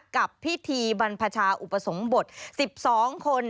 กับพิธีบรรพชาอุปสมบท๑๒คน